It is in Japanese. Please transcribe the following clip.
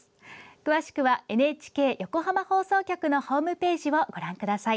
詳しくはＮＨＫ横浜放送局のホームページをご覧ください。